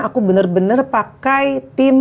aku bener bener pakai tim